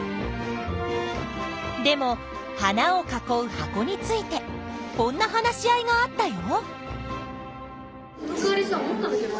でも花を囲う箱についてこんな話し合いがあったよ。